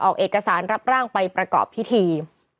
ออกเอกสารรับร่างไปประกอบพิธี